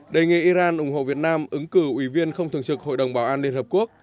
đề nghị iran ủng hộ việt nam ứng cử ủy viên không thường trực hội đồng bảo an liên hợp quốc